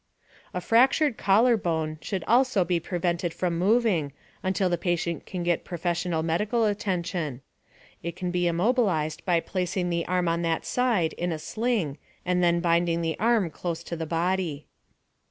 A FRACTURED COLLAR BONE should also be prevented from moving, until the patient can get professional medical attention. It can be immobilized by placing the arm on that side in a sling and then binding the arm close to the body.